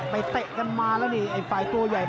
เตะกันมาแล้วนี่ไอ้ฝ่ายตัวใหญ่